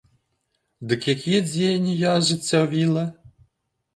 Дык якія дзеянні я ажыццявіла?